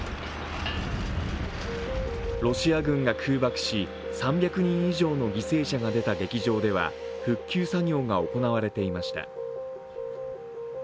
ロシア軍が空爆し、３００人以上の犠牲者が出た劇場では復旧作業が行われていました。